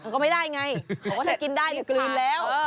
ก็ไม่ได้ไงถ้ากินได้ก็กลืนแล้ว